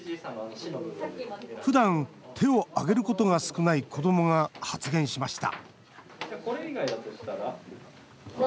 ふだん手を挙げることが少ない子どもが発言しました